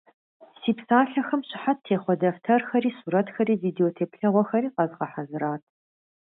Си псалъэхэм щыхьэт техъуэ дэфтэрхэри, сурэтхэри, видеотеплъэгъуэхэри къэзгъэхьэзырат.